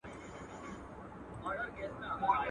ژوند به نه غواړي مرگی به یې خوښېږي.